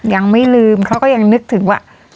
ยังไม่ลืมเขาก็ยังนึกถึงว่า